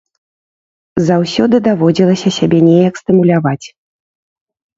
Заўсёды даводзілася сябе неяк стымуляваць.